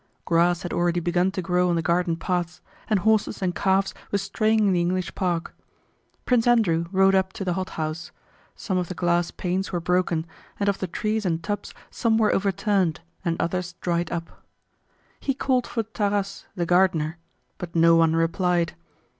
Grass had already begun to grow on the garden paths, and horses and calves were straying in the English park. Prince Andrew rode up to the hothouse; some of the glass panes were broken, and of the trees in tubs some were overturned and others dried up. He called for Tarás the gardener, but no one replied.